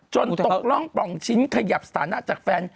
ตกร่องปล่องชิ้นขยับสถานะจากแฟน